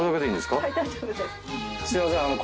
すいません。